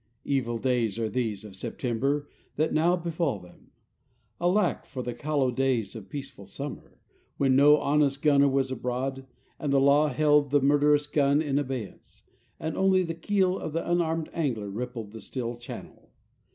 Evil days are these of September that now befall them. Alack, for the callow days of peaceful summer, when no honest gunner was abroad, and the law held the murderous gun in abeyance, and only the keel of the unarmed angler rippled the still channel.